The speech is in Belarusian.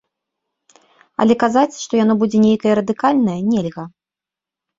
Але казаць, што яно будзе нейкае радыкальнае, нельга.